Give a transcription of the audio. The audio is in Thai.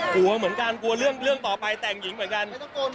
กลัวเหมือนกันกลัวเรื่องต่อไปแต่งหญิงเหมือนกัน